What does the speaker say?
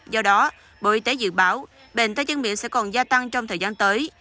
do đó bộ y tế dự báo bệnh tay chân miệng sẽ còn gia tăng trong thời gian tới